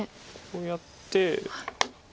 こうやって。